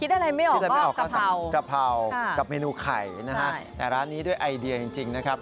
คิดอะไรไม่ออกก็กะเพรากับเมนูไข่นะครับแต่ร้านนี้ด้วยไอเดียจริงนะครับ